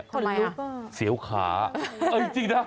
ทำไมล่ะเหมือนรู้ป่ะเสียวขาเออจริงนะ